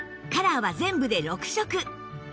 カラーは全部で６色